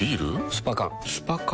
スパ缶スパ缶？